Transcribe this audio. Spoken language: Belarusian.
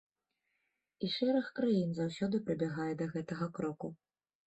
І шэраг краін заўсёды прыбягае да гэтага кроку.